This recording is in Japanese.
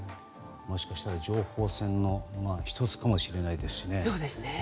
もしかしたら情報戦の１つかもしれないですしね。